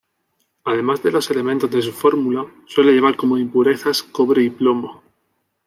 Además de los elementos de su fórmula, suele llevar como impurezas: cobre y plomo.